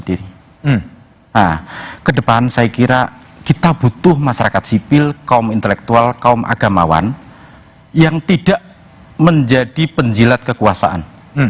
nah ke depan saya kira kita butuh masyarakat sipil kaum intelektual kaum agamawan yang tidak menjadi penjilat kekuasaan